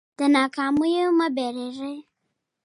له ناکامیو مه وېرېږئ.